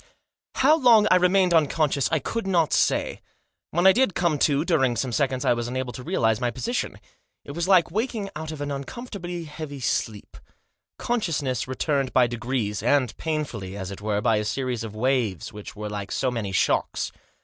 How long I remained unconscious I could not say When I did come to, during some seconds I was unable to realise my position. It was like waking out of an uncomfortably heavy sleep. Consciousness returned by degrees, and painfully ; as it were, by a series of waves, which were like so many shocks.